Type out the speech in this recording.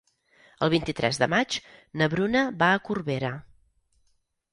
El vint-i-tres de maig na Bruna va a Corbera.